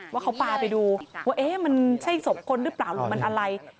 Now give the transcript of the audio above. ว่าเขาปลาไปดูว่ามันใช่ศพคนหรือเปล่าหรือมันอะไร